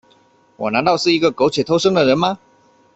我难道是一个苟且偷生的人吗？